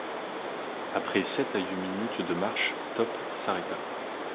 Après sept à huit minutes de marche, Top s’arrêta.